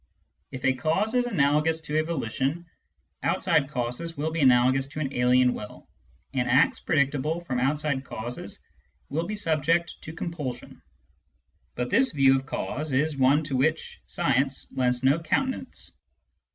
If a cause is analogous to a volition, outside causes will be analogous to an alien will, and acts predictable from outside causes will be subject to compulsion. But this view of cause is one to which science lends no countenance.